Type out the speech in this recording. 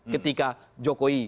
ketika jokowi melihat